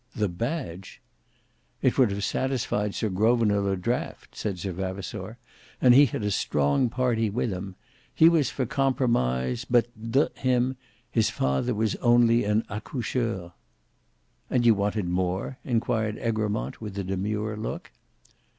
"The badge!" "It would have satisfied Sir Grosvenor le Draughte," said Sir Vavasour; "and he had a strong party with him; he was for compromise, but d— him, his father was only an accoucheur." "And you wanted more?" inquired Egremont, with a demure look.